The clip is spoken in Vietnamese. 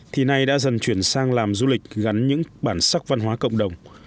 thì nay đã dần chuyển sang làm du lịch gắn những bản sắc văn hóa cộng đồng